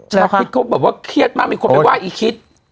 ชาคลิปเขาบอกว่าเครียดมากไม่ควรไปว่าอีกคิด